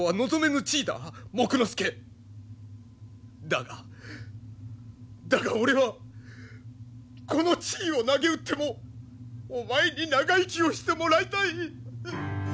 だがだが俺はこの地位をなげうってもお前に長生きをしてもらいたい！